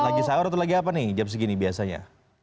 lagi sahur atau lagi apa nih jam segini biasanya